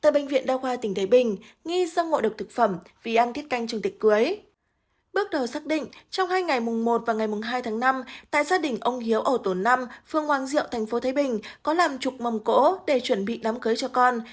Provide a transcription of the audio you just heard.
bước đầu xác định trong hai ngày mùng một và ngày mùng hai tháng năm tại gia đình ông hiếu ở tổ năm phương hoàng diệu thành phố thái bình có làm trục mông cỗ để chuẩn bị đám cưới cho con